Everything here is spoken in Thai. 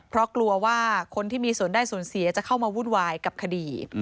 เพราะกลัวว่าคนที่มีส่วนได้ส่วนเสียจะเข้ามาวุ่นวายกับคดี